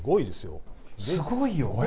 すごいよ！